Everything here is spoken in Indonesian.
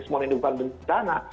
semua ini bukan bencana